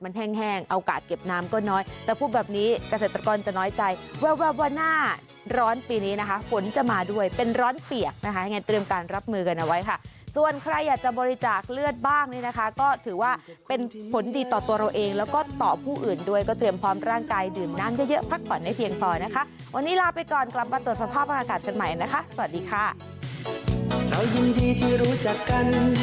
ยังไงเตรียมการรับมือกันเอาไว้ค่ะส่วนใครอยากจะบริจาคเลือดบ้างนี่นะคะก็ถือว่าเป็นผลดีต่อตัวเราเองแล้วก็ต่อผู้อื่นด้วยก็เตรียมพร้อมร่างกายดื่มน้ำเยอะเยอะพักผ่อนให้เพียงพอนะคะวันนี้ลาไปก่อนกลับมาตรวจสภาพอากาศใหม่นะคะสวัสดีค่ะ